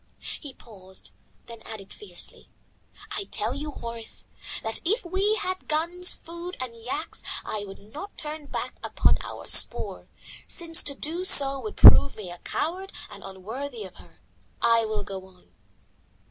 He paused, then added fiercely, "I tell you, Horace, that even if we had guns, food, and yaks, I would not turn back upon our spoor, since to do so would prove me a coward and unworthy of her. I will go on."